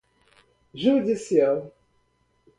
judicial